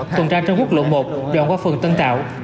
tuần tra trên quốc lộ một đoạn qua phường tân tạo